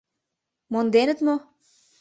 Монденыт мо?